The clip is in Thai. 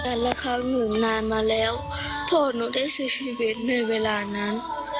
ละครั้งหนูนานมาแล้วพ่อหนูได้เสียชีวิตในเวลานั้น